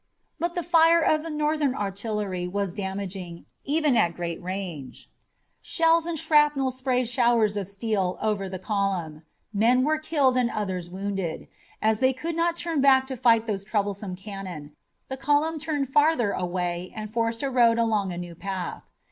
But the fire of the Northern artillery was damaging, even at great range. Shells and shrapnel sprayed showers of steel over the column. Men were killed and others wounded. As they could not turn back to fight those troublesome cannon, the column turned farther away and forced a road through a new path.